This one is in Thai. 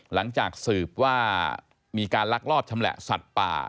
หลังจากสืบว่ามีการลักลอบชำแหละสัตว์ป่า